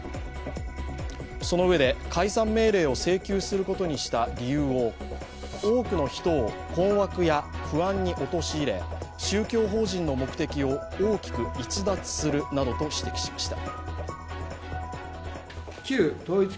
そのうえで、解散命令を請求することにした理由を多くの人を困惑や不安に陥れ宗教法人の目的を大きく逸脱するなどと指摘しました。